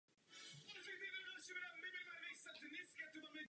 Poukazuji na práci vykonanou panem Durão Barrosem.